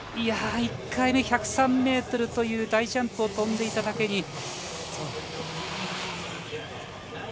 １回目、１０３ｍという大ジャンプを飛んでいただけに。